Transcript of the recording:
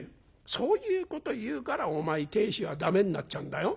そういうこと言うからお前亭主は駄目になっちゃうんだよ。